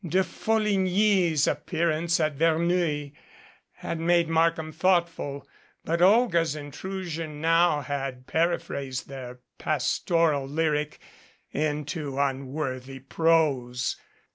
De Folligny's appearance at Verneuil had made Markham thoughtful, but Olga's intrusion now had paraphrased their pastoral lyric into unworthy prose.